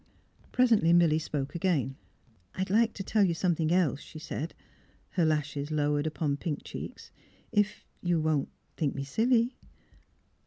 Presently Milly spoke again. '' I — I'd like to tell you something else," she said, her lashes lowered upon pink cheeks. " If you — if you won't think me silly?